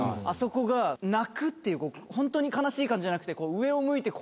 あそこが泣くっていうホントに悲しい感じじゃなくて。